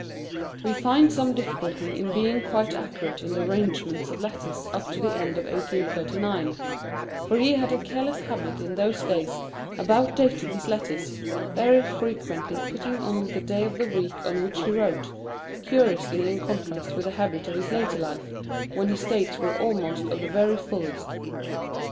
We find some difficulty in being quite accurate in the arrangements of letters up to the end of 1839, for he had a careless habit in those days about dating his letters, very frequently putting only the day of the week on which he wrote, curiously in contrast with the habit of his later life, when his dates were always of the very fullest.